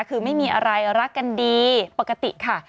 คือไม่มีอะไรรักกันดีปกติค่ะ